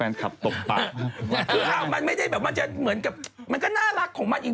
เอาตัวให้ตบก่อนสักที